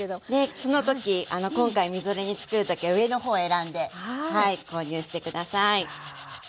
その時今回みぞれ煮つくる時は上の方選んで購入して下さい。